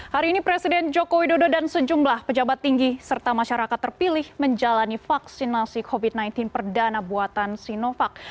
hari ini presiden joko widodo dan sejumlah pejabat tinggi serta masyarakat terpilih menjalani vaksinasi covid sembilan belas perdana buatan sinovac